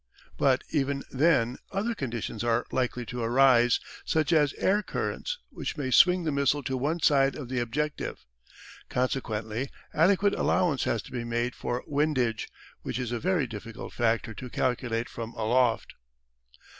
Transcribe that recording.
But even then other conditions are likely to arise, such as air currents, which may swing the missile to one side of the objective. Consequently adequate allowance has to be made for windage, which is a very difficult factor to calculate from aloft.